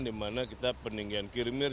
dimana kita peninggian kirimir